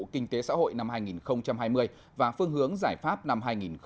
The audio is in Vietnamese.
kinh tế xã hội năm hai nghìn hai mươi và phương hướng giải pháp năm hai nghìn hai mươi một